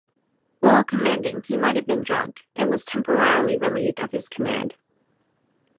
While commanding, he might have been drunk, and was temporarily relieved of his command.